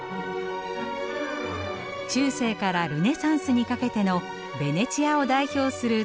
中世からルネサンスにかけてのベネチアを代表する建物の一つです。